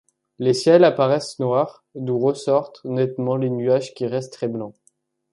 Les ciels apparaissent noirs, d'où ressortent nettement les nuages qui restent très blancs.